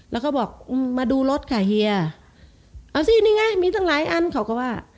แล้วก็บอกมาดูรถค่ะเฮียเอาสินี่ไงมีตั้งหลายอันเขาก็ว่า